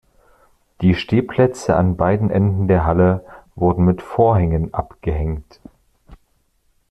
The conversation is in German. Die Stehplätze an beiden Enden der Halle wurden mit Vorhängen abgehängt.